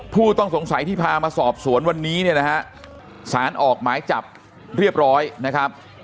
ผู้ต้องสงสัยที่พามาสอบสวนวันนี้เนี่ยนะฮะสารออกหมายจับเรียบร้อยนะครับ